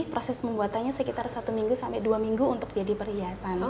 proses pembuatannya sekitar satu minggu sampai dua minggu untuk jadi perhiasan